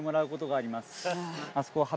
あそこ、旗？